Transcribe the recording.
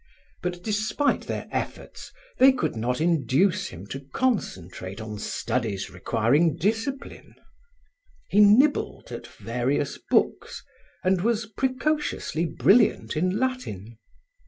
But despite their efforts, they could not induce him to concentrate on studies requiring discipline. He nibbled at various books and was precociously brilliant in Latin.